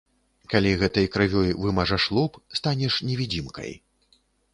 Калі гэтай крывёй вымажаш лоб, станеш невідзімкай.